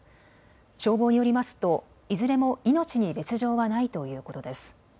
消防によりますといずれも命に別状はないということです。